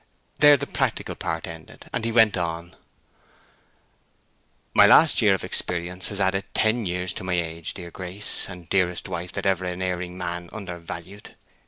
There the practical part ended; he then went on— "My last year of experience has added ten years to my age, dear Grace and dearest wife that ever erring man undervalued.